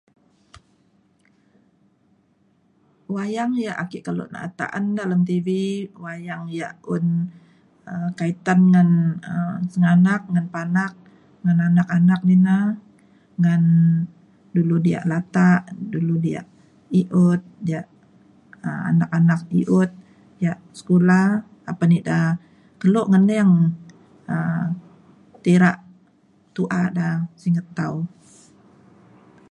wayang yak ake kelo na’at ta’an dalem TV wayang yak um un kaitan ngan sengganak panak ngan anak anak dina ngan dulu diak latak dulu diak i’ut diak um anak anak i’ut yak sekula apan ida kelo ngening um tira tu’a ida singget tau